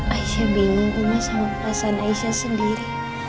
aisyah bingung sama perasaan aisyah sendiri